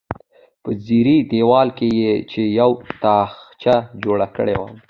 په څیرې دیوال کې یې چې یوه تاخچه جوړه کړې وه.